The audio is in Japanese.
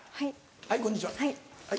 はいこんにちは。